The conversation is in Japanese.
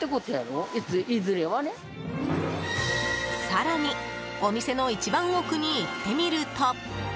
更にお店の一番奥に行ってみると。